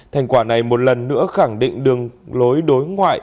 thành quả này một lần nữa khẳng định đường lối đối ngoại